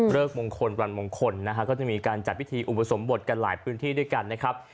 มงคลวันมงคลนะฮะก็จะมีการจัดพิธีอุปสมบทกันหลายพื้นที่ด้วยกันนะครับ